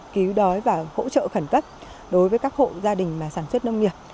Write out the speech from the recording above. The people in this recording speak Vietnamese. cứu đói và hỗ trợ khẩn cấp đối với các hộ gia đình mà sản xuất nông nghiệp